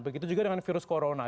begitu juga dengan virus corona